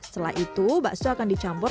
setelah itu bakso akan dicampur